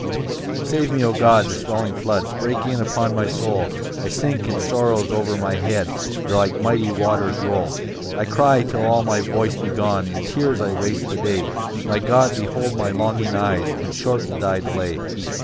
1 "Save me, O God, the swelling floods "Break in upon my soul: "I sink, and sorrows o'er my head "Like mighty waters roll. 2 "I cry till all my voice be gone, "In tears I waste the day: "My God behold my longing eyes, "And shorten thy delay.